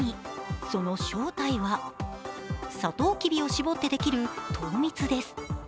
その正体はサトウキビを搾ってできる糖蜜です。